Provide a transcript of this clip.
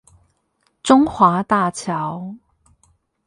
中華大橋